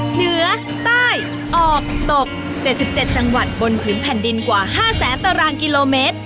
เหนือใต้ออกตก๗๗จังหวัดบนผืนแผ่นดินกว่า๕แสนตารางกิโลเมตร